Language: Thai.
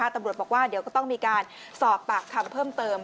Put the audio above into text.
ตำรวจบอกว่าเดี๋ยวก็ต้องมีการสอบปากคำเพิ่มเติม